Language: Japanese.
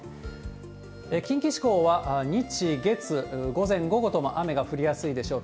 近畿地方は、日、月、午前、午後とも雨が降りやすいでしょう。